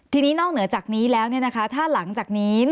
ทีนี้นอกเหนือจากนี้แล้วถ้าหลังจากนี้